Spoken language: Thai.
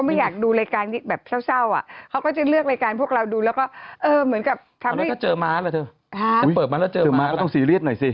เปิดมันแล้วเจอม้าล่ะเจอม้าต้องซีเรียสหน่อยสิ